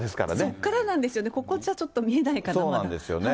そこからなんですよね、ここじゃちょっと見えないから。